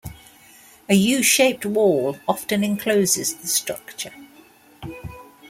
A U-shaped wall often encloses the structure.